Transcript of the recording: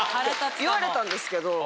言われたんですけど。